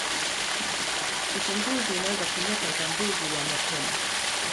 Uchunguzi unaweza kuleta utambuzi wa mapema.